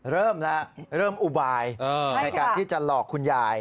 เริ่มแล้วเริ่มอุบายในการที่จะหลอกคุณยาย